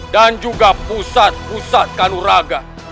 dan juga pusat pusat kanuraga